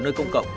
ở nơi công cộng